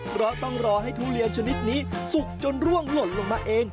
เพราะต้องรอให้ทุเรียนชนิดนี้สุกจนร่วงหล่นลงมาเอง